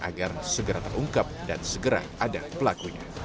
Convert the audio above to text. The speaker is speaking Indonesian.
agar segera terungkap dan segera ada pelakunya